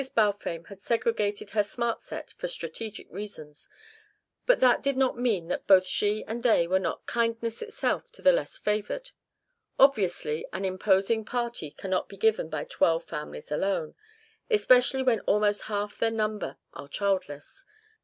Balfame had segregated her smart set for strategic reasons, but that did not mean that both she and they were not kindness itself to the less favoured. Obviously, an imposing party cannot be given by twelve families alone, especially when almost half their number are childless.